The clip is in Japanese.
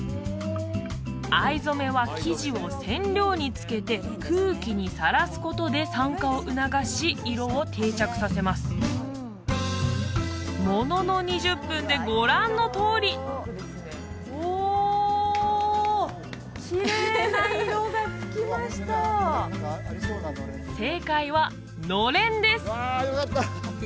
藍染めは生地を染料につけて空気にさらすことで酸化を促し色を定着させますものの２０分でご覧のとおりおきれいな色がつきました正解は「暖簾」です